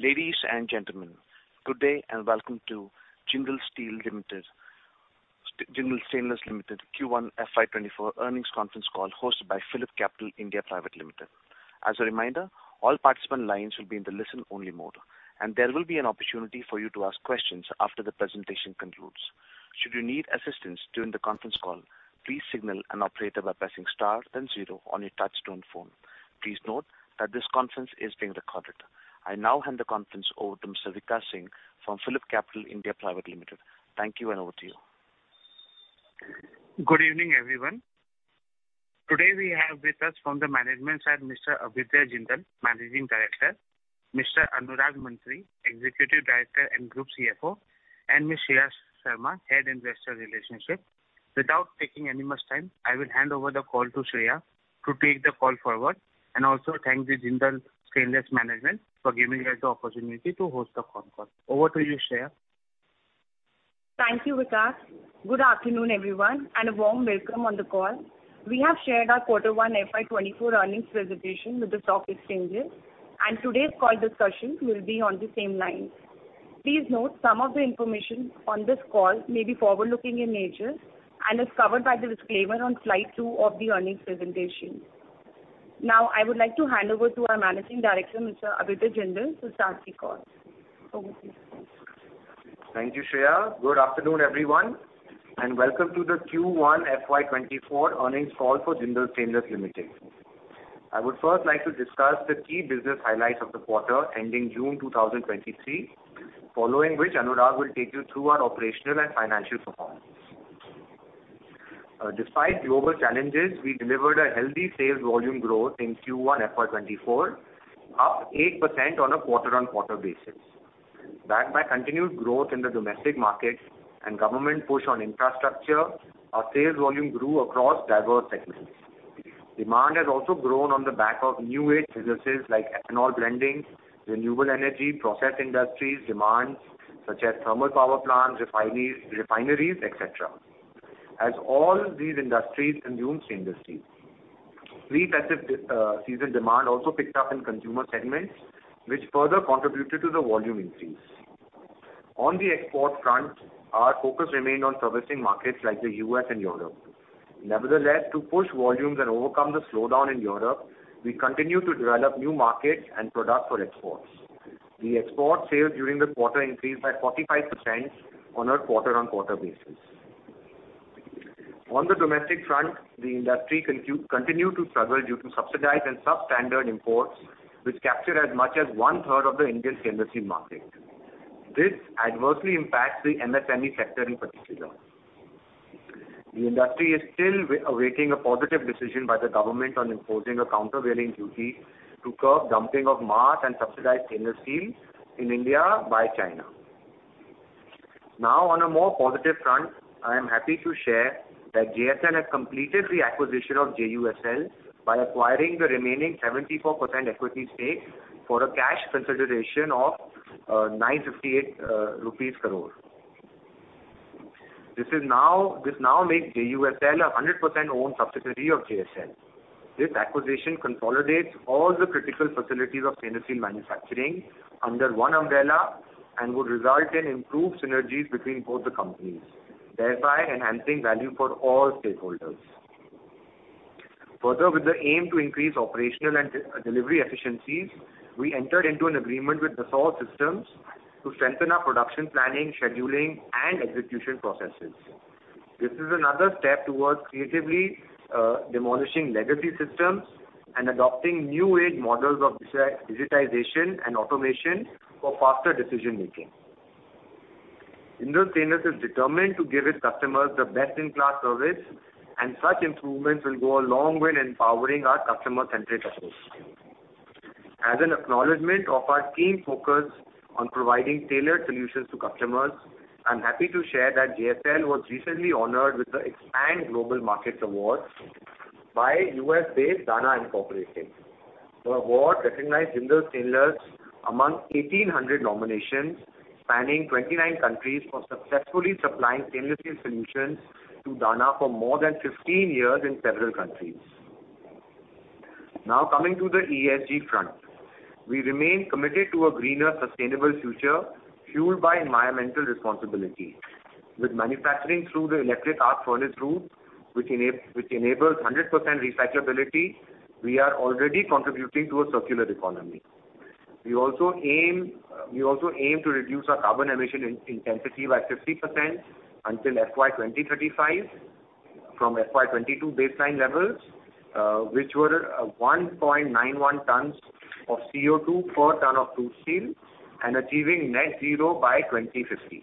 Ladies and gentlemen, good day, and welcome to Jindal Stainless Limited Q1 FY 2024 Earnings Conference Call, hosted by PhillipCapital India Private Limited. As a reminder, all participant lines will be in the listen-only mode, and there will be an opportunity for you to ask questions after the presentation concludes. Should you need assistance during the conference call, please signal an operator by pressing star then zero on your touchtone phone. Please note that this conference is being recorded. I now hand the conference over to Ms. Vikash Singh from PhillipCapital India Private Limited. Thank you, and over to you. Good evening, everyone. Today, we have with us from the management side, Mr. Abhyuday Jindal, Managing Director; Mr. Anurag Mantri, Executive Director and Group CFO; and Ms. Shreya Sharma, Head Investor Relationship. Without taking any much time, I will hand over the call to Shreya to take the call forward, and also thank the Jindal Stainless management for giving us the opportunity to host the conference call. Over to you, Shreya. Thank you, Vikash. Good afternoon, everyone, and a warm welcome on the call. We have shared our quarter one FY 2024 earnings presentation with the stock exchanges, and today's call discussions will be on the same lines. Please note, some of the information on this call may be forward-looking in nature and is covered by the disclaimer on slide two of the earnings presentation. Now, I would like to hand over to our Managing Director, Mr. Abhyuday Jindal, to start the call. Over to you. Thank you, Shreya. Good afternoon, everyone, and welcome to the Q1 FY24 earnings call for Jindal Stainless Limited. I would first like to discuss the key business highlights of the quarter ending June 2023, following which Anurag will take you through our operational and financial performance. Despite global challenges, we delivered a healthy sales volume growth in Q1 FY24, up 8% on a quarter-on-quarter basis. Backed by continued growth in the domestic markets and government push on infrastructure, our sales volume grew across diverse segments. Demand has also grown on the back of new age businesses like ethanol blending, renewable energy, process industries, demands such as thermal power plants, refineries, et cetera, as all these industries consume stainless steel. Pre-festive season demand also picked up in consumer segments, which further contributed to the volume increase. On the export front, our focus remained on servicing markets like the U.S. and Europe. Nevertheless, to push volumes and overcome the slowdown in Europe, we continue to develop new markets and products for exports. The export sales during the quarter increased by 45% on a quarter-on-quarter basis. On the domestic front, the industry continued to struggle due to subsidized and substandard imports, which capture as much as one-third of the Indian stainless steel market. This adversely impacts the MSME sector in particular. The industry is still awaiting a positive decision by the government on imposing a countervailing duty to curb dumping of mass and subsidized stainless steel in India by China. On a more positive front, I am happy to share that JSL has completed the acquisition of JUSL by acquiring the remaining 74% equity stake for a cash consideration of 958 crore rupees. This now makes JUSL a 100% owned subsidiary of JSL. This acquisition consolidates all the critical facilities of stainless steel manufacturing under one umbrella and would result in improved synergies between both the companies, thereby enhancing value for all stakeholders. Further, with the aim to increase operational and delivery efficiencies, we entered into an agreement with Dassault Systèmes to strengthen our production, planning, scheduling, and execution processes. This is another step towards creatively demolishing legacy systems and adopting new age models of digitization and automation for faster decision making. Jindal Stainless is determined to give its customers the best-in-class service, such improvements will go a long way in empowering our customer-centric approach. As an acknowledgment of our keen focus on providing tailored solutions to customers, I'm happy to share that JSL was recently honored with the Go Global Award by US-based Dana Incorporated. The award recognized Jindal Stainless among 1,800 nominations, spanning 29 countries, for successfully supplying stainless steel solutions to Dana for more than 15 years in several countries. Coming to the ESG front. We remain committed to a greener, sustainable future, fueled by environmental responsibility. With manufacturing through the electric arc furnace route, which enables 100% recyclability, we are already contributing to a circular economy. We also aim to reduce our carbon emission intensity by 50% until FY 2035, from FY 2022 baseline levels, which were 1.91 tons of CO2 per ton of crude steel, and achieving net zero by 2050.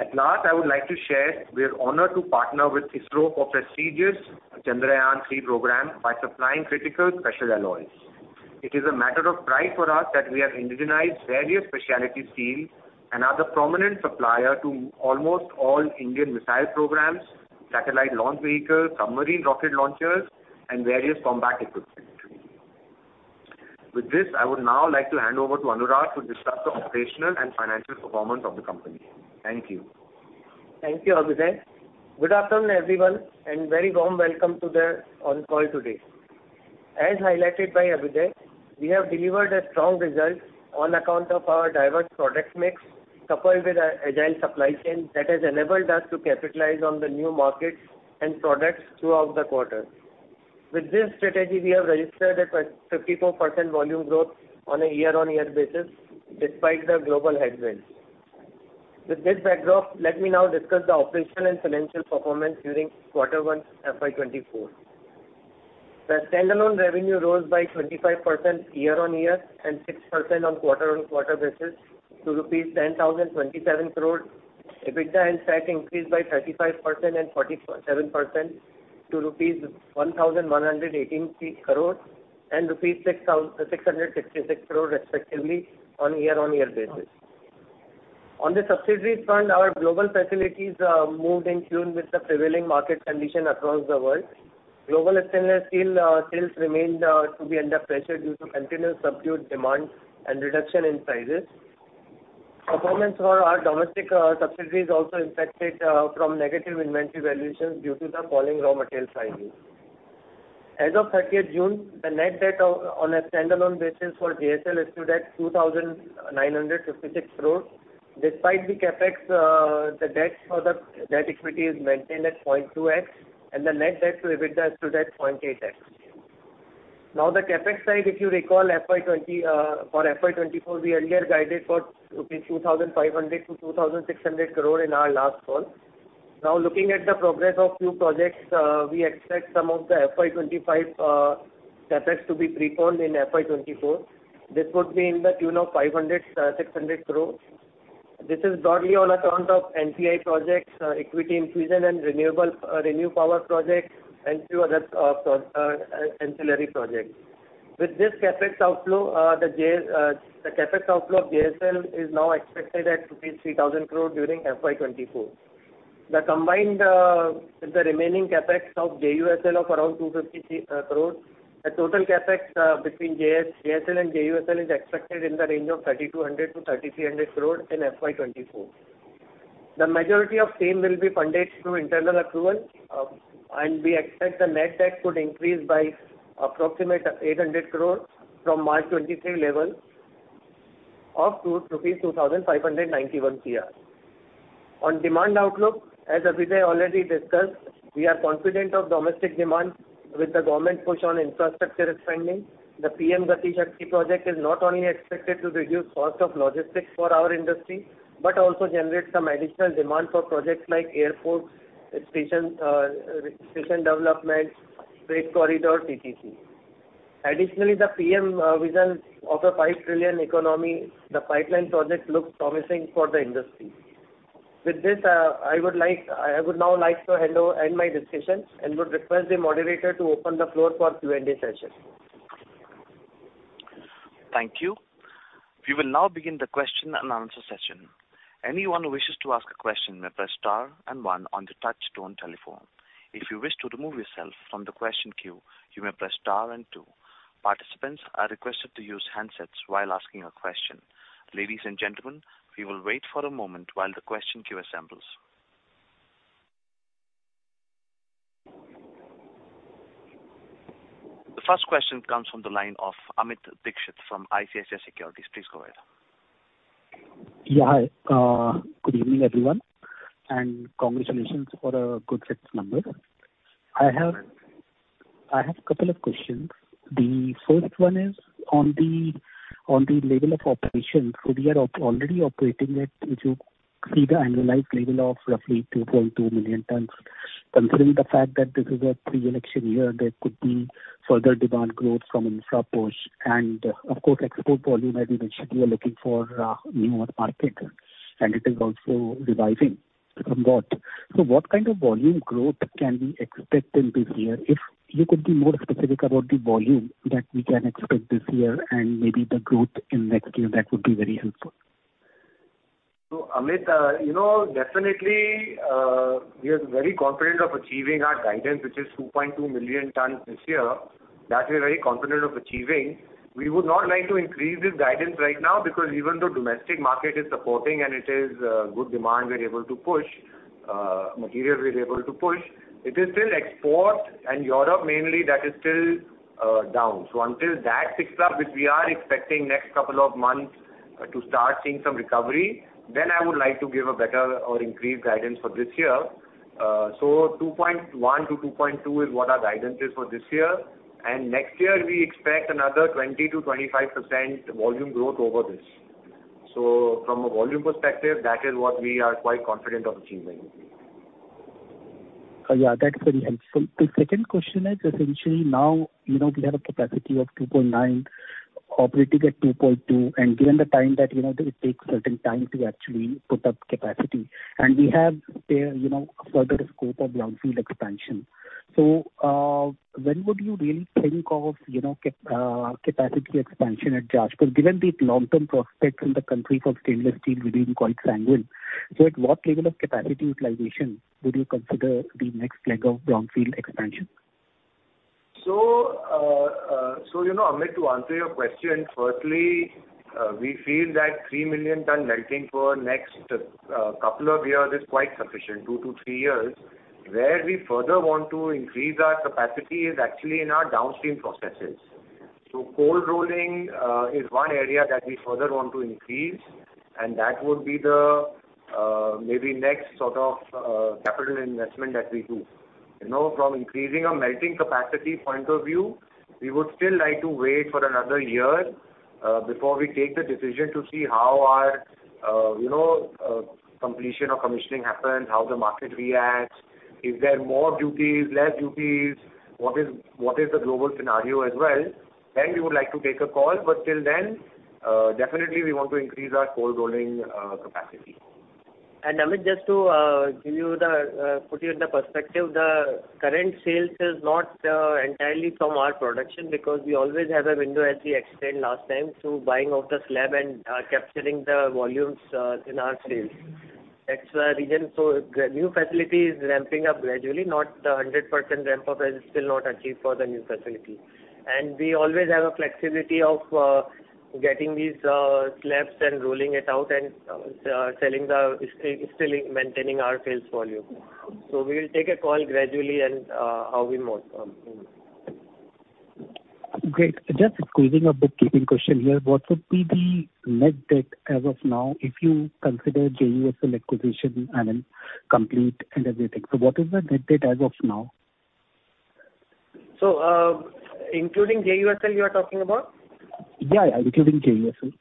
At last, I would like to share, we are honored to partner with ISRO for prestigious Chandrayaan-3 program by supplying critical special alloys. It is a matter of pride for us that we have indigenized various specialty steels and are the prominent supplier to almost all Indian missile programs, satellite launch vehicles, submarine rocket launchers, and various combat equipment. With this, I would now like to hand over to Anurag to discuss the operational and financial performance of the company. Thank you. Thank you, Abhyuday. Good afternoon, everyone, and very warm welcome to the on call today. As highlighted by Abhyuday, we have delivered a strong result on account of our diverse product mix, coupled with our agile supply chain that has enabled us to capitalize on the new markets and products throughout the quarter. With this strategy, we have registered a 54% volume growth on a year-on-year basis, despite the global headwinds. With this backdrop, let me now discuss the operational and financial performance during quarter one, FY 2024. The standalone revenue rose by 25% year-on-year, and 6% on quarter-on-quarter basis, to rupees 10,027 crore. EBITDA and PAT increased by 35% and 47% to rupees 1,118 crore and rupees 666 crore respectively on a year-on-year basis. On the subsidiary front, our global facilities moved in tune with the prevailing market condition across the world. Global stainless steel sales remained to be under pressure due to continuous subdued demand and reduction in prices. Performance for our domestic subsidiaries also impacted from negative inventory valuations due to the falling raw material prices. As of 30th June, the net debt of, on a standalone basis for JSL is stood at 2,956 crore. Despite the CapEX, the debt for the debt equity is maintained at 0.2x, and the Net Debt to EBITDA is stood at 0.8x. The CapEX side, if you recall, FY 20, for FY 2024, we earlier guided for 2,500 crore-2,600 crore rupees in our last call. Now, looking at the progress of few projects, we expect some of the FY 2025 CapEX to be pre-fund in FY 2024. This would be in the tune of 500-600 crore. This is broadly on account of NCI projects, equity infusion and ReNew Power projects, and few other ancillary projects. With this CapEX outflow, the CapEX outflow of JSL is now expected at INR 3,000 crore during FY 2024. The combined remaining CapEX of JUSL of around 253 crore, the total CapEX between JSL and JUSL is expected in the range of 3,200-3,300 crore in FY 2024. The majority of same will be funded through internal accrual. We expect the net debt could increase by approximate 800 crore from March 2023 level of rupees 2,591 crore. On demand outlook, as Abhyuday Jindal already discussed, we are confident of domestic demand with the government push on infrastructure spending. The PM Gati Shakti project is not only expected to reduce cost of logistics for our industry, but also generate some additional demand for projects like airports, station development, freight corridor, TTC. The PM vision of a $5 trillion economy, the pipeline project looks promising for the industry. With this, I would now like to hand over, end my discussion and would request the moderator to open the floor for Q&A session. Thank you. We will now begin the question and answer session. Anyone who wishes to ask a question may press star and one on the touchtone telephone. If you wish to remove yourself from the question queue, you may press star and two. Participants are requested to use handsets while asking a question. Ladies and gentlemen, we will wait for a moment while the question queue assembles. The first question comes from the line of Amit Dixit from ICICI Securities. Please go ahead. Hi, good evening, everyone, and congratulations for a good fixed number. I have a couple of questions. The first one is on the level of operations. We are already operating at, if you see the annualized level of roughly 2.2 million tons. Considering the fact that this is a pre-election year, there could be further demand growth from infra push and of course, export volume, as we mentioned, we are looking for newer market, and it is also revising from what. What kind of volume growth can we expect in this year? If you could be more specific about the volume that we can expect this year, and maybe the growth in next year, that would be very helpful. Amit, you know, definitely, we are very confident of achieving our guidance, which is 2.2 million tons this year. That we are very confident of achieving. We would not like to increase this guidance right now, because even though domestic market is supporting and it is good demand, we are able to push material, it is still export and Europe mainly that is still down. Until that picks up, which we are expecting next couple of months to start seeing some recovery, I would like to give a better or increased guidance for this year. 2.1-2.2 is what our guidance is for this year. Next year we expect another 20%-25% volume growth over this. From a volume perspective, that is what we are quite confident of achieving. Yeah, that's very helpful. The second question is essentially now, you know, we have a capacity of 2.9, operating at 2.2, and given the time that, you know, it takes certain time to actually put up capacity, and we have there, you know, further scope of downfield expansion. When would you really think of, you know, capacity expansion at Jajpur, given the long-term prospects in the country for stainless steel, we didn't call it sanguine? At what level of capacity utilization would you consider the next leg of brownfield expansion? You know, Amit, to answer your question, firstly, we feel that 3 million ton melting for next couple of years is quite sufficient, two-three years. Where we further want to increase our capacity is actually in our downstream processes. Cold rolling is one area that we further want to increase, and that would be the maybe next sort of capital investment that we do. You know, from increasing our melting capacity point of view, we would still like to wait for another year before we take the decision to see how our you know, completion or commissioning happens, how the market reacts. Is there more duties, less duties? What is the global scenario as well? We would like to take a call, but till then, definitely we want to increase our cold rolling capacity. Amit, just to give you the, put you in the perspective, the current sales is not entirely from our production, because we always have a window, as we explained last time, to buying off the slab and capturing the volumes in our sales. That's the reason. The new facility is ramping up gradually, not the 100% ramp up is still not achieved for the new facility. We always have a flexibility of getting these slabs and rolling it out and selling the, still maintaining our sales volume. We will take a call gradually and how we move from. Great. Just squeezing a bookkeeping question here. What would be the net debt as of now, if you consider JUSL acquisition and complete and everything? What is the net debt as of now? Including JUSL, you are talking about? Yeah, yeah, including JUSL.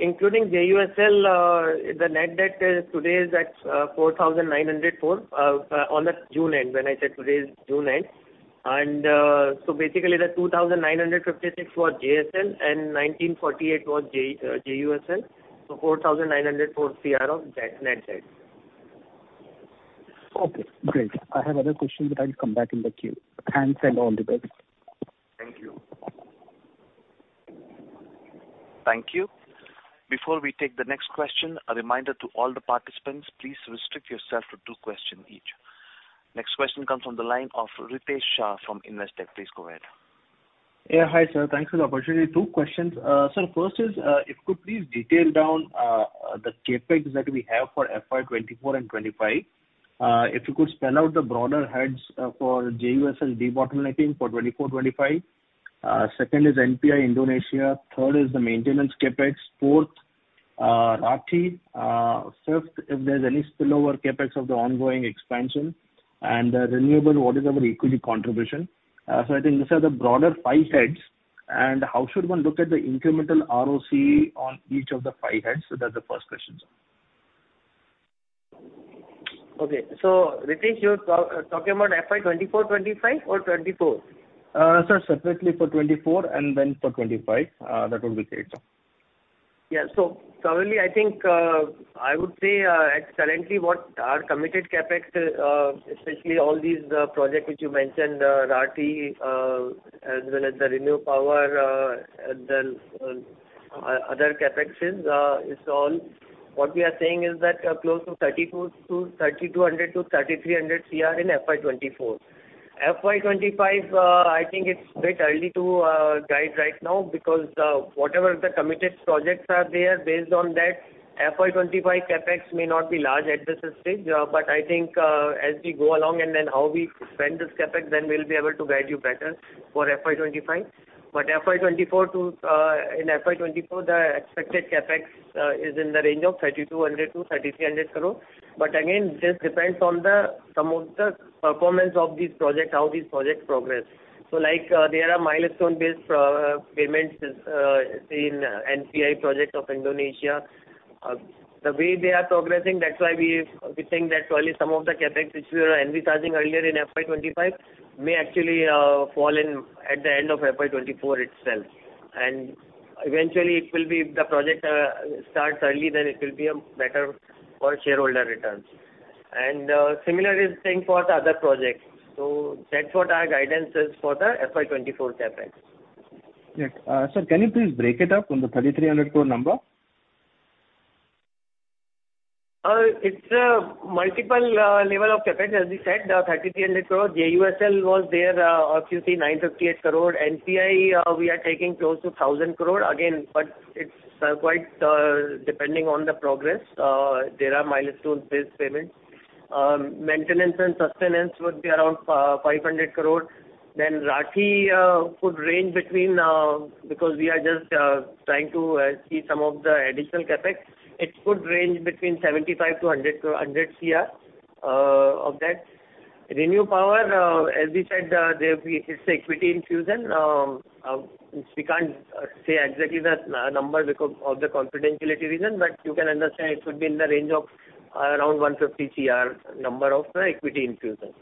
Including JUSL, the net debt today is at 4,904 crore on the June end, when I said today is June end. Basically the 2,956 crore for JSL and 1,948 crore for JUSL, 4,904 crore of debt, net debt. Okay, great. I have other questions, but I'll come back in the queue. Thanks and all the best. Thank you. Thank you. Before we take the next question, a reminder to all the participants, please restrict yourself to two questions each. Next question comes from the line of Ritesh Shah from Investec. Please go ahead. Hi, sir. Thanks for the opportunity. Two questions. Sir, first is, if you could please detail down the CapEX that we have for FY 2024 and 2025. If you could spell out the broader heads for JUSL debottlenecking for 2024, 2025. Second is NPI Indonesia. Third is the maintenance CapEX. Fourth, Rathi. Fifth, if there's any spillover CapEX of the ongoing expansion, and renewable, what is our equity contribution? I think these are the broader five heads, and how should one look at the incremental ROC on each of the five heads? That's the first questions. Okay. Ritesh, you're talking about FY 2024, 2025 or 2024? Sir, separately for 2024 and then for 2025, that would be great. Currently, I think, I would say, as currently, what our committed CapEX, especially all these, projects which you mentioned, Rathi, as well as the ReNew Power, and then, other CapEX is, it's all. What we are saying is that, close to 3,200-3,300 CR in FY 2024. FY 2025, I think it's a bit early to guide right now, because, whatever the committed projects are there, based on that, FY 2025 CapEX may not be large at this stage. I think, as we go along and then how we spend this CapEX, then we'll be able to guide you better for FY 2025. In FY 2024, the expected CapEX, is in the range of 3,200-3,300 crore. Again, this depends on some of the performance of these projects, how these projects progress. Like, there are milestone-based payments in NPI project of Indonesia. The way they are progressing, that's why we think that probably some of the CapEX which we are envisaging earlier in FY 2025 may actually fall in at the end of FY 2024 itself. Eventually, it will be, the project starts early, then it will be better for shareholder returns. Similar is same for the other projects. That's what our guidance is for the FY 2024 CapEX. Great. sir, can you please break it up on the 3,300 crore number? It's a multiple level of CapEX, as we said, INR 3,300 crore. JUSL was there, QC 958 crore. NPI, we are taking close to 1,000 crore. Again, it's quite depending on the progress, there are milestone-based payments. Maintenance and sustenance would be around 500 crore. Rathi could range between, because we are just trying to see some of the additional CapEX. It could range between 75-100 CR of that. ReNew Power, as we said, there we, it's equity infusion. We can't say exactly the number because of the confidentiality reason, you can understand it should be in the range of around 150 CR number of the equity infusion.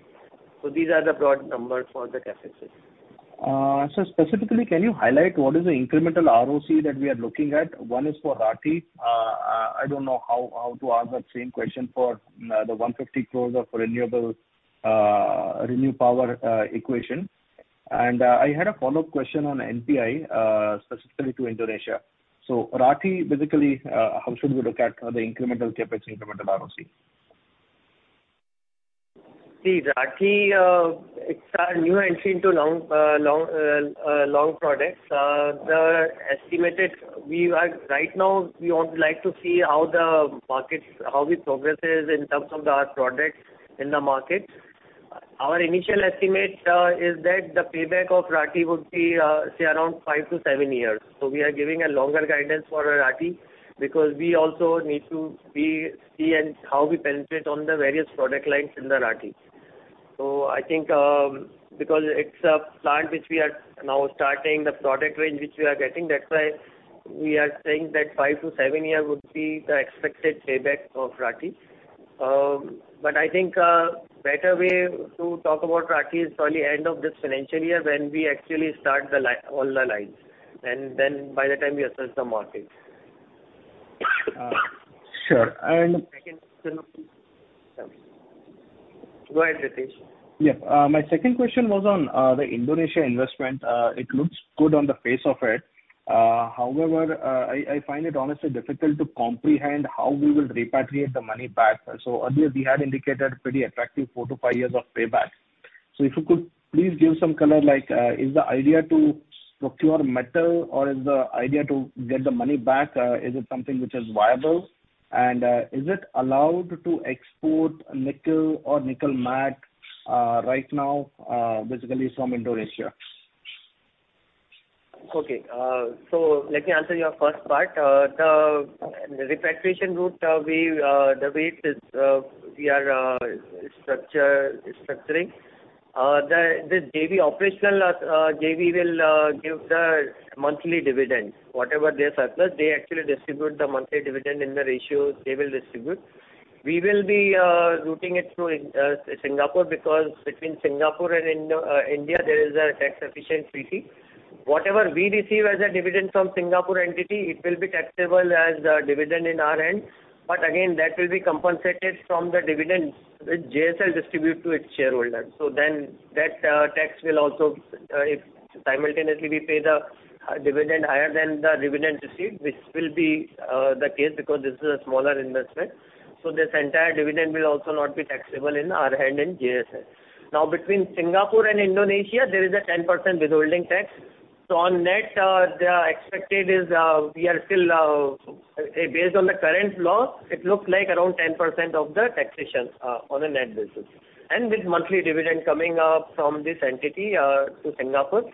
These are the broad numbers for the CapEX. So specifically, can you highlight what is the incremental ROC that we are looking at? One is for Rathi. I don't know how to ask the same question for the 150 crore of renewable Renew Power equation. I had a follow-up question on NPI specifically to Indonesia. Rathi, basically, how should we look at the incremental CapEX, incremental ROC? See, Rathi, it's our new entry into long products. Right now, we would like to see how the markets, how it progresses in terms of our products in the market. Our initial estimate is that the payback of Rathi would be, say, around five to seven years. We are giving a longer guidance for Rathi, because we also need to see how we penetrate on the various product lines in the Rathi. I think, because it's a plant which we are now starting, the product range which we are getting, that's why we are saying that five to seven years would be the expected payback of Rathi. I think, better way to talk about Rathi is probably end of this financial year, when we actually start all the lines, and then by the time we assess the market. Sure. Second question. Go ahead, Ritesh. My second question was on the Indonesia investment. It looks good on the face of it. However, I find it honestly difficult to comprehend how we will repatriate the money back. Earlier, we had indicated pretty attractive four to fiveyears of payback. If you could please give some color, like, is the idea to procure metal or is the idea to get the money back? Is it something which is viable? Is it allowed to export nickel or nickel matte right now, basically from Indonesia? Okay. Let me answer your first part. The repatriation route, we the way it is, we are structuring. The JV operational JV will give the monthly dividend. Whatever their surplus, they actually distribute the monthly dividend in the ratio they will distribute. We will be routing it through Singapore, because between Singapore and India, there is a tax efficient treaty. Whatever we receive as a dividend from Singapore entity, it will be taxable as a dividend in our end. Again, that will be compensated from the dividends which JSL distribute to its shareholders. That tax will also if simultaneously we pay the dividend higher than the dividend received, which will be the case because this is a smaller investment. This entire dividend will also not be taxable in our end in JSL. Between Singapore and Indonesia, there is a 10% withholding tax. On net, the expected is, we are still, based on the current law, it looks like around 10% of the taxation on a net basis. With monthly dividend coming from this entity to Singapore.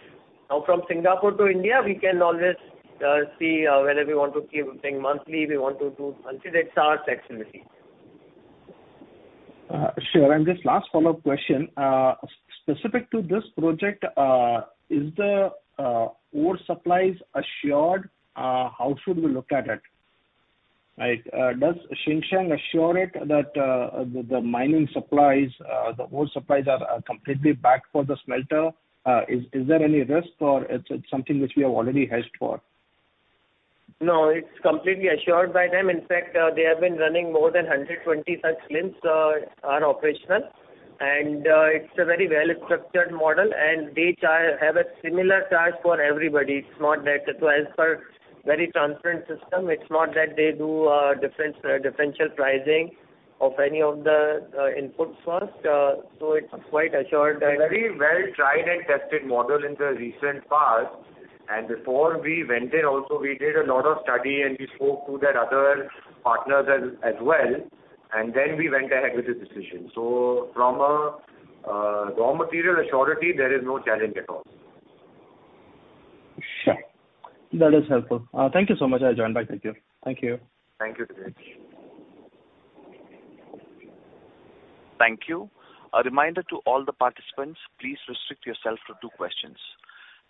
From Singapore to India, we can always see whether we want to keep things monthly, we want to do quarterly, that's our flexibility. Sure. Just last follow-up question. Specific to this project, is the ore supplies assured? How should we look at it? Like, does Xingcheng assure it that the mining supplies, the ore supplies are completely back for the smelter? Is there any risk or it's something which we have already hedged for? No, it's completely assured by them. In fact, they have been running more than 120 such plants, are operational. It's a very well-structured model, and they charge, have a similar charge for everybody. It's not that, as per very transparent system, it's not that they do differential pricing of any of the inputs first. It's quite assured and. Very well tried and tested model in the recent past. Before we went in also, we did a lot of study and we spoke to their other partners as well, and then we went ahead with this decision. From a raw material assurity, there is no challenge at all. Sure. That is helpful. Thank you so much. I'll join back. Thank you. Thank you. Thank you, Ritesh. Thank you. A reminder to all the participants, please restrict yourself to two questions.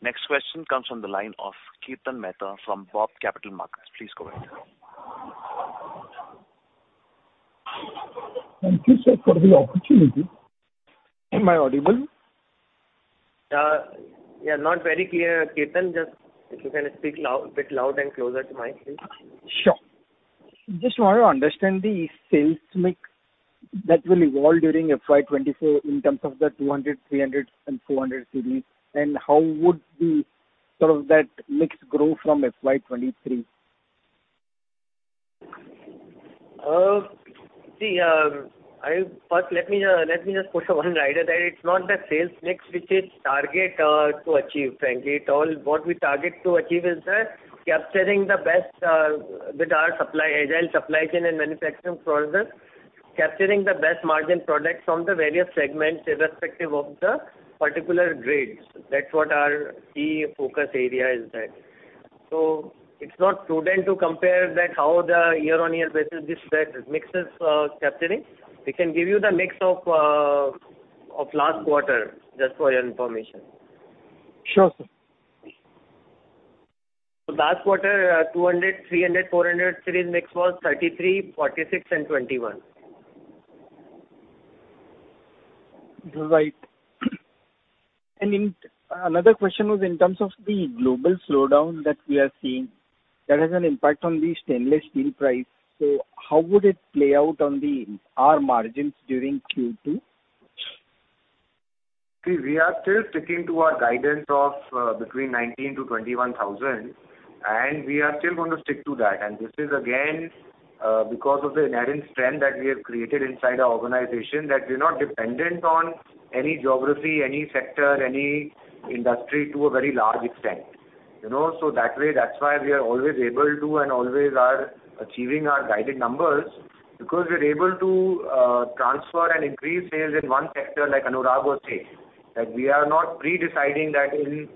Next question comes from the line of Kirtan Mehta from BOB Capital Markets. Please go ahead. Thank you, sir, for the opportunity. Am I audible? You're not very clear, Kirtan. Just if you can speak loud, bit loud and closer to mic, please. Sure. Just want to understand the sales mix that will evolve during FY 2024 in terms of the 200, 300, and 400 series, how would the sort of that mix grow from FY 2023? See, first, let me just put one rider there. It's not the sales mix which is target to achieve, frankly. What we target to achieve is the capturing the best with our supply, agile supply chain and manufacturing process, capturing the best margin products from the various segments, irrespective of the particular grades. That's what our key focus area is that. It's not prudent to compare that how the year-on-year basis this, that mix is capturing. We can give you the mix of last quarter, just for your information. Sure, sir. Last quarter, 200 series, 300 series, 400 series mix was 33, 46, and 21. Right. Another question was in terms of the global slowdown that we are seeing. That has an impact on the stainless steel price. How would it play out on our margins during Q2? See, we are still sticking to our guidance of between 19,000-21,000, and we are still going to stick to that. This is again because of the inherent strength that we have created inside our organization, that we're not dependent on any geography, any sector, any industry to a very large extent. You know, that way, that's why we are always able to, and always are, achieving our guided numbers, because we're able to transfer and increase sales in one sector, like Anurag would say, that we are not pre-deciding that in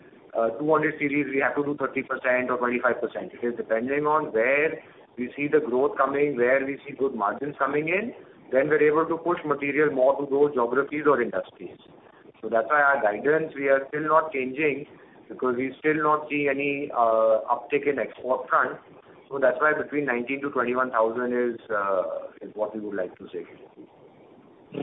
200 series, we have to do 30% or 25%. It is depending on where we see the growth coming, where we see good margins coming in, then we're able to push material more to those geographies or industries. That's why our guidance, we are still not changing, because we still not see any uptick in export front. That's why between 19,000 to 21,000 is what we would like to say.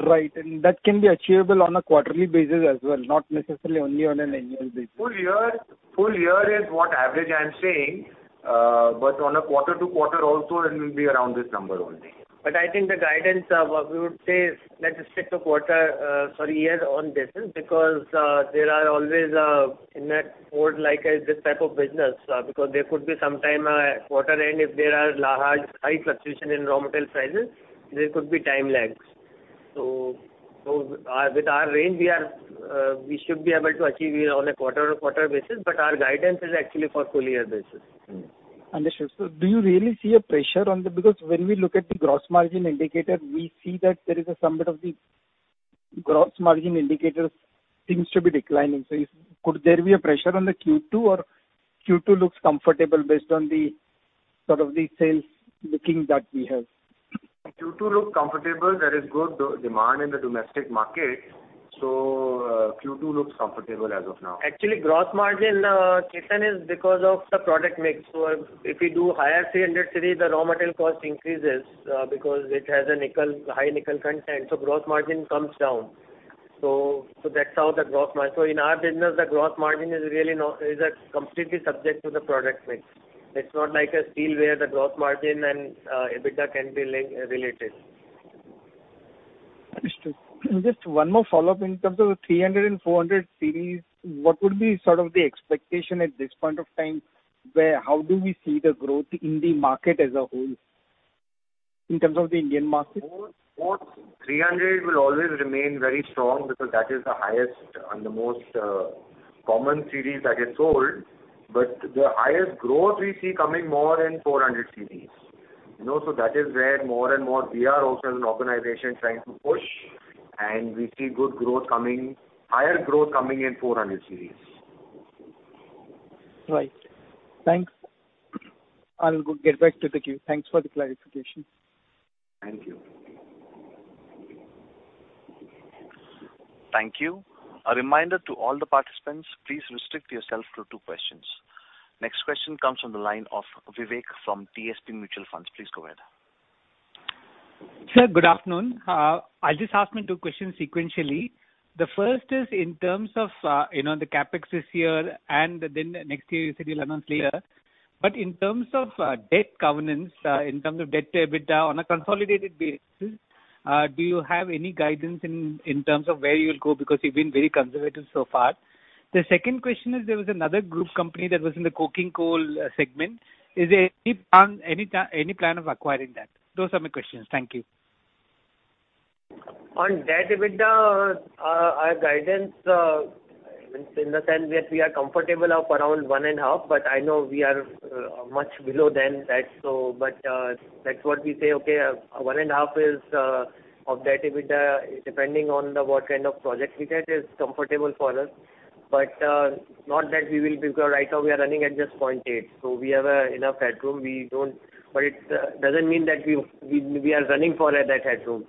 Right, that can be achievable on a quarterly basis as well, not necessarily only on an annual basis. Full year, full year is what average I am saying, but on a quarter-to-quarter also, it will be around this number only. I think the guidance of what we would say is, let's stick to quarter, sorry, year-on basis, because there are always, in that port, like, this type of business, because there could be some time a quarter-end, if there are large high fluctuation in raw material prices, there could be time lags. With our range, we should be able to achieve it on a quarter-to-quarter basis, but our guidance is actually for full-year basis. Understood. Do you really see a pressure on the Because when we look at the gross margin indicator, we see that there is some bit of the gross margin indicator seems to be declining. Could there be a pressure on the Q2, or Q2 looks comfortable based on the sort of the sales looking that we have? Q2 looks comfortable. There is good demand in the domestic market, so, Q2 looks comfortable as of now. Actually, gross margin, Kirtan, is because of the product mix. If we do higher 300 series, the raw material cost increases, because it has a nickel, high nickel content, so gross margin comes down. That's how the gross margin... In our business, the gross margin is really a completely subject to the product mix. It's not like a steel, where the gross margin and EBITDA can be re-related. Understood. Just one more follow-up in terms of the 300 and 400 series, what would be sort of the expectation at this point of time, how do we see the growth in the market as a whole, in terms of the Indian market? 300 series will always remain very strong, because that is the highest and the most common series that is sold. The highest growth we see coming more in 400 series. You know, that is where more and more we are also as an organization trying to push, and we see good growth coming, higher growth coming in 400 series. Right. Thanks. I'll get back to the queue. Thanks for the clarification. Thank you. Thank you. A reminder to all the participants, please restrict yourself to two questions. Next question comes from the line of Vivek from DSP Mutual Fund. Please go ahead. Sir, good afternoon. I'll just ask my two questions sequentially. The first is in terms of, you know, the CapEX this year, and then next year, you said you'll announce later. In terms of, debt governance, in terms of debt to EBITDA on a consolidated basis, do you have any guidance in terms of where you will go? Because you've been very conservative so far. The second question is, there was another group company that was in the coking coal segment. Is there any plan of acquiring that? Those are my questions. Thank you. On debt to EBITDA, our guidance, in the sense that we are comfortable of around 1.5, but I know we are much below than that. That's what we say, okay, 1.5 is of debt to EBITDA, depending on the, what kind of project we get, is comfortable for us. Not that we will, because right now we are running at just 0.8. We have enough headroom. It doesn't mean that we are running for that headroom.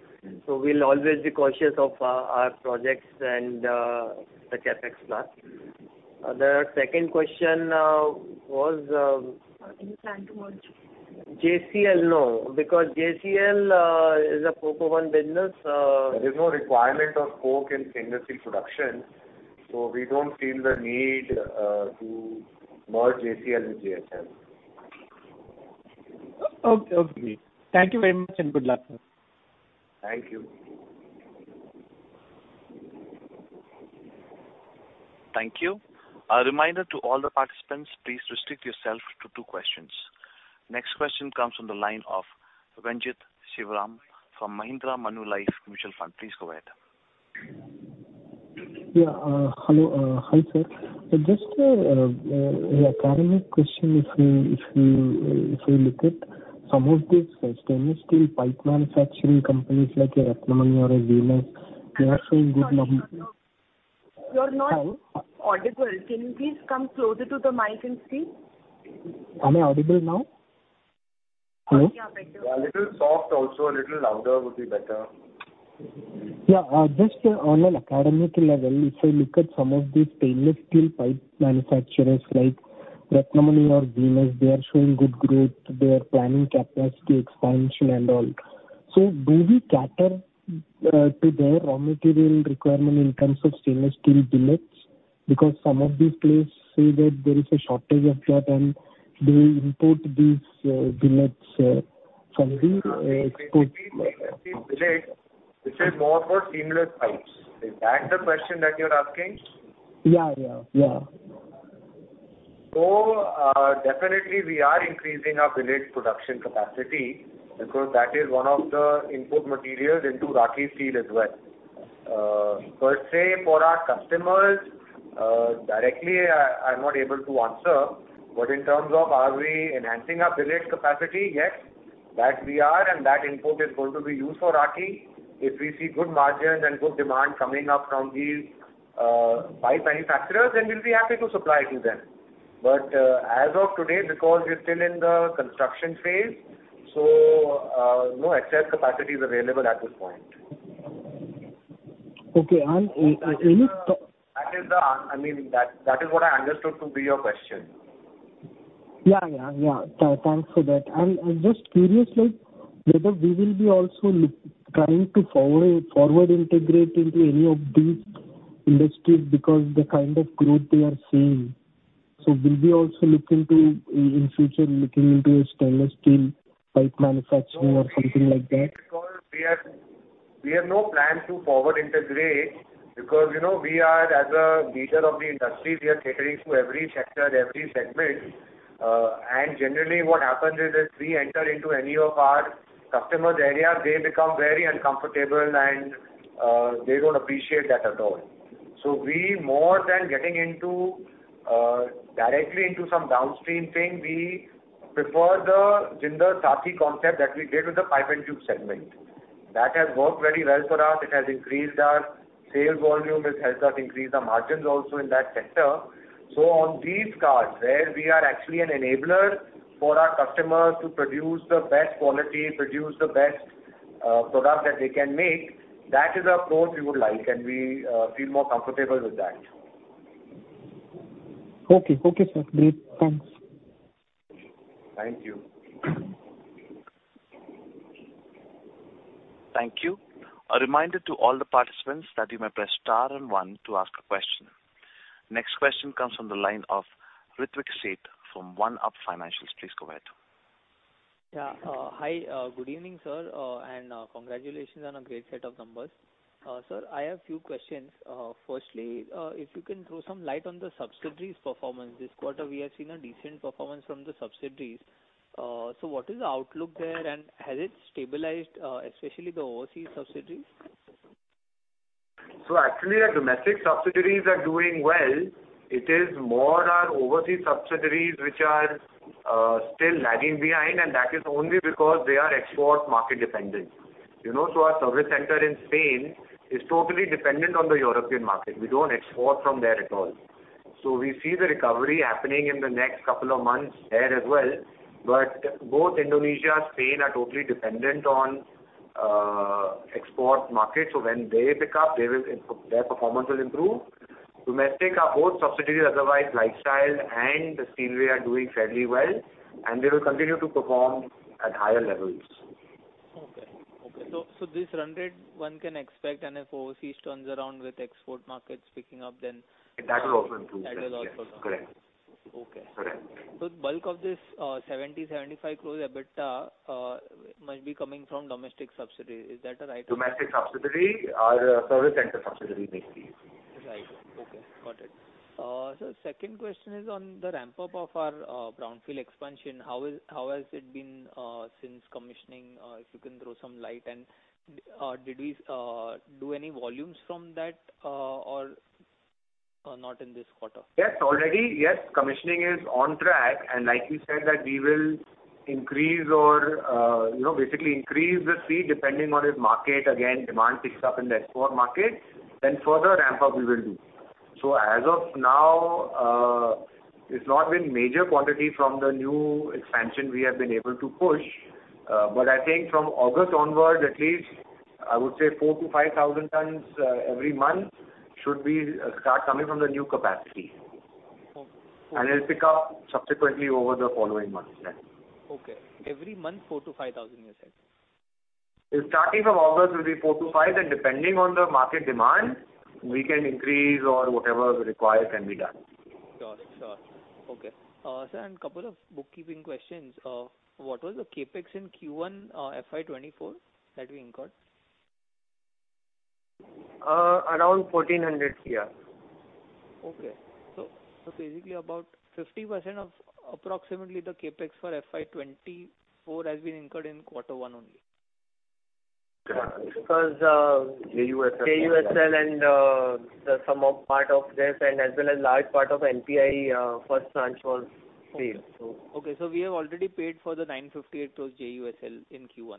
We'll always be cautious of our projects and the CapEX plan. The second question was. Any plan to merge? JCL? No, because JCL, is a coke oven business. There is no requirement of coke in stainless steel production, so we don't feel the need to merge JCL with JSL. Okay. Thank you very much, and good luck. Thank you. Thank you. A reminder to all the participants, please restrict yourself to two questions. Next question comes from the line of Renjith Sivaram from Mahindra Manulife Mutual Fund. Please go ahead. Yeah, hello, hi, sir. Just an academic question, if you look at some of the stainless steel pipe manufacturing companies like Ratnamani or Venus, they are showing good number. You are not audible. Can you please come closer to the mic and speak? Am I audible now? Yeah, better. A little soft, also a little louder would be better. Just on an academic level, if you look at some of the stainless steel pipe manufacturers like Ratnamani or Venus, they are showing good growth, they are planning capacity expansion and all. Do we cater to their raw material requirement in terms of stainless steel billets? Some of these players say that there is a shortage of that, and they import these billets from the export market. This is more for seamless pipes. Is that the question that you're asking? Yeah, yeah. Definitely we are increasing our billet production capacity, because that is one of the input materials into Rathi steel as well. Per se, for our customers, directly, I'm not able to answer. In terms of are we enhancing our billet capacity? Yes, that we are, and that input is going to be used for Rathi. If we see good margins and good demand coming up from these pipe manufacturers, then we'll be happy to supply to them. As of today, because we're still in the construction phase, no excess capacity is available at this point. Okay. That is the, I mean, that is what I understood to be your question. Yeah. Thanks for that. I'm just curious, like, whether we will be also trying to forward integrate into any of these industries, because the kind of growth we are seeing. Will we also look into, in future, looking into a stainless steel pipe manufacturing or something like that? We have no plan to forward integrate, because, you know, we are as a leader of the industry, we are catering to every sector, every segment. Generally, what happens is, if we enter into any of our customers' area, they become very uncomfortable and they don't appreciate that at all. We more than getting into directly into some downstream thing, we prefer the Jindal Saathi concept that we did with the pipe and tube segment. That has worked very well for us. It has increased our sales volume, it has helped us increase the margins also in that sector. On these cards, where we are actually an enabler for our customers to produce the best quality, produce the best product that they can make, that is the approach we would like, and we feel more comfortable with that. Okay. Okay, sir. Great. Thanks. Thank you. Thank you. A reminder to all the participants that you may press star and One to ask a question. Next question comes from the line of Ritwik Sheth from OneUp Financials. Please go ahead. Yeah. Hi, good evening, sir, congratulations on a great set of numbers. Sir, I have few questions. Firstly, if you can throw some light on the subsidiaries performance. This quarter, we have seen a decent performance from the subsidiaries. What is the outlook there, and has it stabilized, especially the overseas subsidiaries? Actually, the domestic subsidiaries are doing well. It is more our overseas subsidiaries which are still lagging behind, and that is only because they are export market-dependent. You know, our service center in Spain is totally dependent on the European market. We don't export from there at all. We see the recovery happening in the next 2 months there as well. Both Indonesia and Spain are totally dependent on export market. When they pick up, their performance will improve. Domestic, our both subsidiaries, otherwise, Lifestyle and the Steelway, are doing fairly well, and they will continue to perform at higher levels. Okay. This run rate, one can expect, and if overseas turns around with export markets picking up, then... That will also improve. That will also... Correct. Okay. Correct. Bulk of this, 70-75 crores EBITDA, must be coming from domestic subsidiary. Is that a right? Domestic subsidiary, our service center subsidiary, basically. Right. Okay, got it. Second question is on the ramp-up of our, brownfield expansion. How has it been, since commissioning? If you can throw some light. Did we, do any volumes from that, or, not in this quarter? Already. Yes, commissioning is on track. Like we said, that we will increase or, you know, basically increase the speed depending on if market, again, demand picks up in the export market, further ramp-up we will do. As of now, it's not been major quantity from the new expansion we have been able to push. I think from August onwards at least, I would say 4,000-5,000 tons every month should be start coming from the new capacity. Okay. It'll pick up subsequently over the following months then. Okay. Every month, 4,000-5,000, you said? Starting from August, will be 4-5, depending on the market demand, we can increase or whatever is required can be done. Sure, sure. Okay. sir, couple of bookkeeping questions. What was the CapEX in Q1 FY 2024 that we incurred? around 1,400 crore. Basically about 50% of approximately the CapEX for FY 2024 has been incurred in Q1 only. Yeah, because. JUSL. JUSL and, the some of part of this and as well as large part of NPI, first tranche was paid. Okay. We have already paid for the 958 crore JUSL in Q1?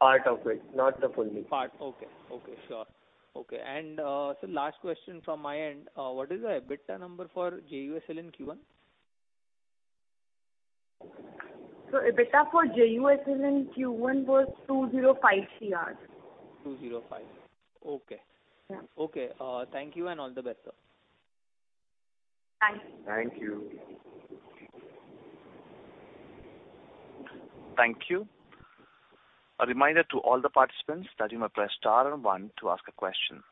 Part of it, not the fully. Part. Okay. Okay, sure. Okay, so last question from my end. What is the EBITDA number for JUSL in Q1? EBITDA for JUSL in Q1 was 205 crore. 205. Okay. Yeah. Okay, thank you and all the best, sir. Thank you. Thank you. A reminder to all the participants that you may press star and one to ask a question.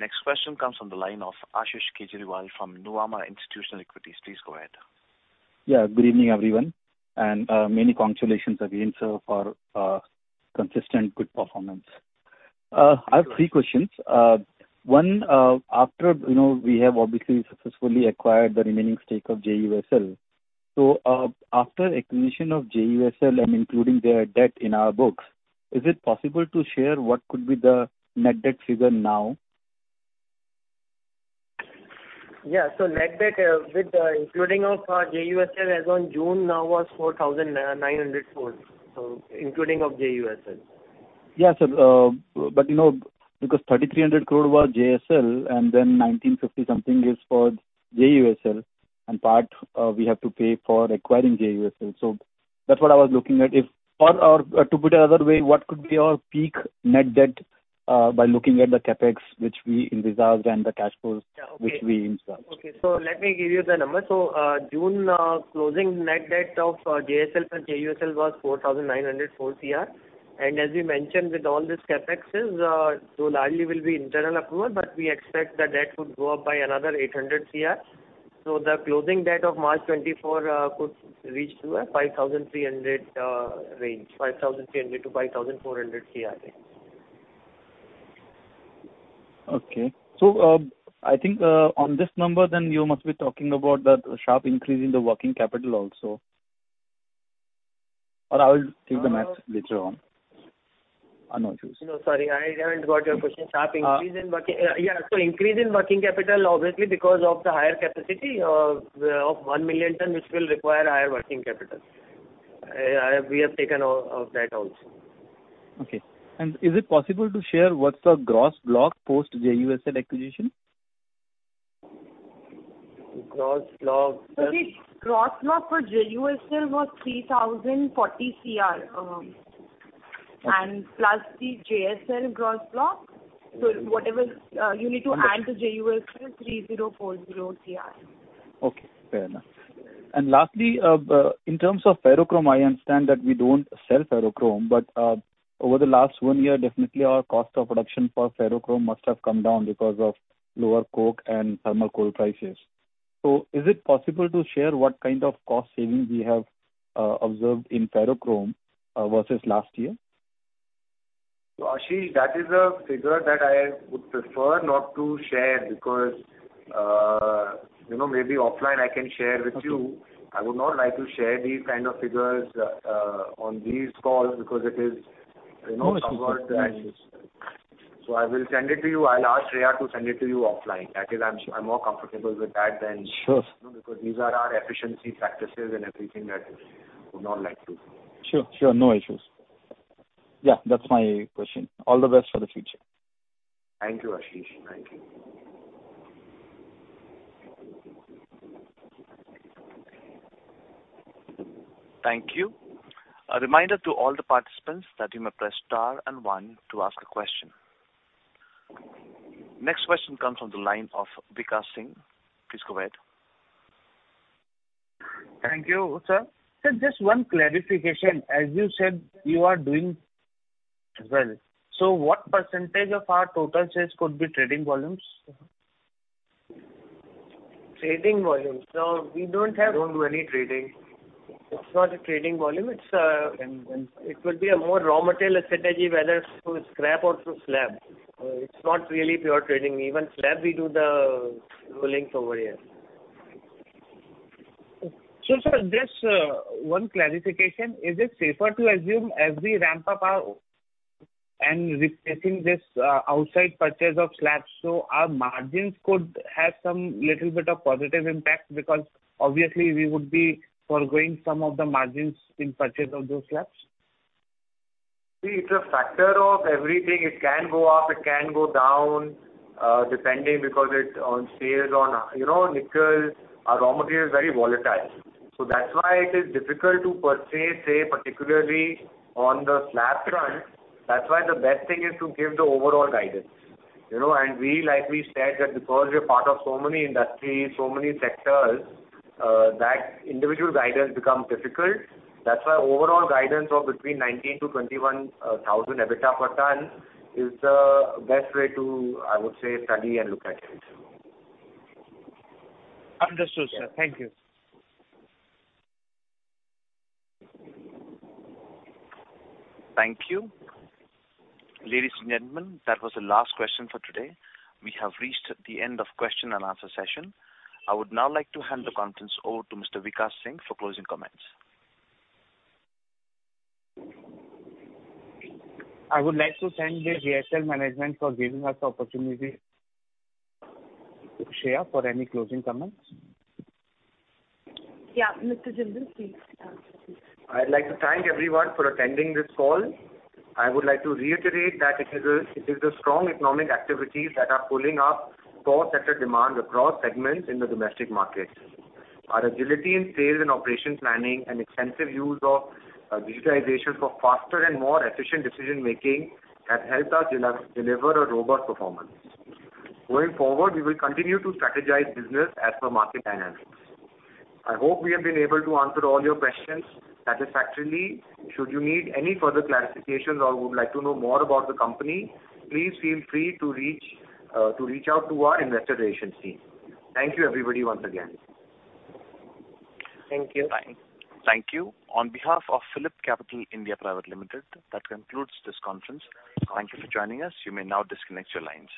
Next question comes from the line of Ashish Kejriwal from Nuvama Institutional Equities. Please go ahead. Good evening, everyone, and many congratulations again, sir, for consistent good performance. I have three questions. One, after, you know, we have obviously successfully acquired the remaining stake of JUSL. After acquisition of JUSL and including their debt in our books, is it possible to share what could be the net debt figure now? Net debt, with, including of, JUSL as on June now was 4,900 crores. Including of JUSL. Sir, you know, because 3,300 crore was JSL, and then 1,950 something is for JUSL, and part, we have to pay for acquiring JUSL. That's what I was looking at. If or to put it another way, what could be our peak Net Debt by looking at the CapEX, which we envisaged and the cash flows? Yeah. Okay. which we invested? Okay. Let me give you the number. June closing net debt of JSL and JUSL was 4,904 crore. As we mentioned, with all this CapEX, largely will be internal approval, but we expect the debt would go up by another 800 crore. The closing date of March 2024 could reach to an 5,300 crore range, 5,300 crore-5,400 crore, I think. I think on this number, you must be talking about the sharp increase in the working capital also. I will do the math later on. I know. No, sorry, I haven't got your question. Sharp increase in working... Uh. Yeah, increase in working capital, obviously, because of the higher capacity, of 1 million ton, which will require higher working capital. We have taken all of that also. Okay. Is it possible to share what's the gross block post JUSL acquisition? Gross block- The gross block for JUSL was 3,040 crore, plus the JSL gross block. whatever. Okay. You need to add to JUSL, 3,040 crore. Okay, fair enough. Lastly, in terms of ferrochrome, I understand that we don't sell ferrochrome, but over the last one year, definitely our cost of production for ferrochrome must have come down because of lower coke and thermal coal prices. Is it possible to share what kind of cost savings we have observed in ferrochrome versus last year? Ashish, that is a figure that I would prefer not to share because, you know, maybe offline I can share with you. Okay. I would not like to share these kind of figures, on these calls because it is, you know, somewhat. No issues. I will send it to you. I'll ask Shreya to send it to you offline. I think I'm more comfortable with that. Sure. You know, because these are our efficiency practices and everything that I would not like to. Sure, sure. No issues. Yeah, that's my question. All the best for the future. Thank you, Ashish. Thank you. Thank you. A reminder to all the participants that you may press star and one to ask a question. Next question comes from the line of Vikash Singh. Please go ahead. Thank you, sir. Sir, just one clarification. As you said, you are doing well. What percentage of our total sales could be trading volumes? Trading volumes. No, don't do any trading. It's not a trading volume. It would be a more raw material strategy, whether through scrap or through slab. It's not really pure trading. Even slab, we do the rolling over here. Sir, just one clarification: Is it safer to assume as we ramp up our and replacing this outside purchase of slabs, so our margins could have some little bit of positive impact? Because obviously we would be foregoing some of the margins in purchase of those slabs. See, it's a factor of everything. It can go up, it can go down, depending, because it's on sales on. You know, nickel, our raw material is very volatile. That's why it is difficult to per se say, particularly on the slab front. That's why the best thing is to give the overall guidance. You know, we likely said that because we're part of so many industries, so many sectors, that individual guidance become difficult. Overall guidance of between 19,000-21,000 EBITDA per ton is the best way to, I would say, study and look at it. Understood, sir. Thank you. Thank you. Ladies and gentlemen, that was the last question for today. We have reached the end of question and answer session. I would now like to hand the conference over to Mr. Vikash Singh for closing comments. I would like to thank the JSL management for giving us the opportunity. Shreya, for any closing comments. Yeah, Mr. Jindal, please. I'd like to thank everyone for attending this call. I would like to reiterate that it is the strong economic activities that are pulling up core sector demand across segments in the domestic market. Our agility in sales and operation planning, and extensive use of digitization for faster and more efficient decision-making, has helped us deliver a robust performance. Going forward, we will continue to strategize business as per market dynamics. I hope we have been able to answer all your questions satisfactorily. Should you need any further clarifications or would like to know more about the company, please feel free to reach to our Investor Relations team. Thank you, everybody, once again. Thank you. Thank you. On behalf of PhillipCapital India Private Limited, that concludes this conference. Thank you for joining us. You may now disconnect your lines.